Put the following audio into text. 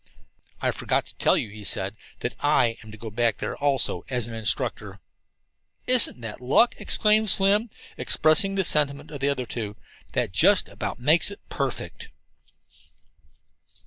"I forgot to tell you," he said, "that I am to go back there, also, as an instructor." "Isn't that luck!" exclaimed Slim, expressing the sentiment of the other two. "That just about makes it perfect."